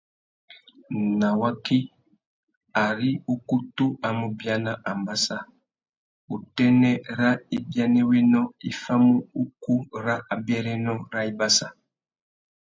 Nà waki, ari ukutu a mú biana ambassa, utênê râ ibianéwénô i famú ukú râ abérénô râ ibassa.